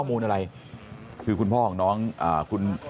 ลูกสาวหลายครั้งแล้วว่าไม่ได้คุยกับแจ๊บเลยลองฟังนะคะ